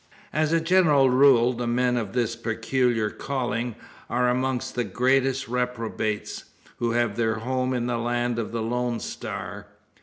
As a general rule, the men of this peculiar calling are amongst the greatest reprobates, who have their home in the land of the "Lone Star."